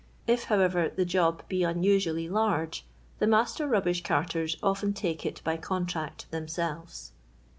I^ however, the job be no usually large, the master rubbish carters often take it by contract themselves.